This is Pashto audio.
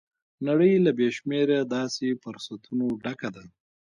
نړۍ له بې شمېره داسې فرصتونو ډکه ده.